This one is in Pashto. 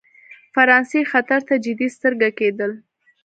فرانسې خطر ته جدي سترګه کېدل.